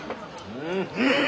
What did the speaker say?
うん！